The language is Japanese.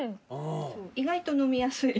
意外と飲みやすい。